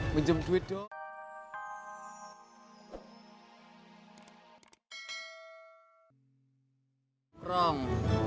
menjem duit dong